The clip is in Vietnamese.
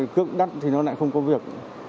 cước đắt thì nó lại không có việc